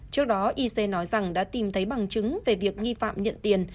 trước đó ic nói rằng đã tìm thấy bằng chứng về việc nghi phạm nhận tiền